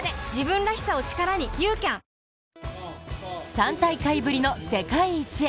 ３大会ぶりの世界一へ。